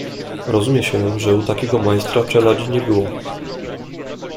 "Rozumie się, że u takiego majstra czeladzi nie było."